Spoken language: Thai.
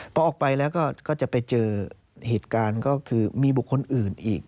พอออกไปแล้วก็จะไปเจอเหตุการณ์ก็คือมีบุคคลอื่นอีก